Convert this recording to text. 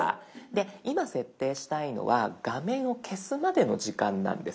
今設定したいのは画面を消すまでの時間なんです。